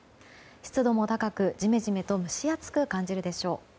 湿度も高く、ジメジメと蒸し暑く感じるでしょう。